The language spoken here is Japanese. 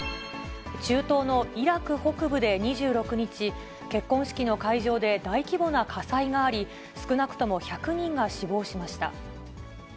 中東のイラク北部で２６日、結婚式の会場で大規模な火災があり、少なくとも１００人が死亡しました。